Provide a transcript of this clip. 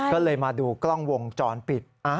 ก็เลยมาดูกล้องวงจรปิด